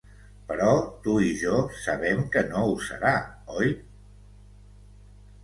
Però tu i jo sabem que no ho serà, oi?